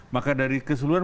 maka dari keseluruhan